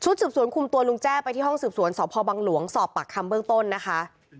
สืบสวนคุมตัวลุงแจ้ไปที่ห้องสืบสวนสพบังหลวงสอบปากคำเบื้องต้นนะคะ